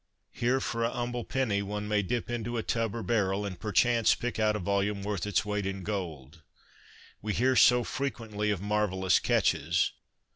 Here for a humble penny one may dip into tub or barrel and perchance pick out a volume worth its weight in gold ! We hear so frequently of mar vellous ' catches.'